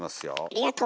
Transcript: ありがと。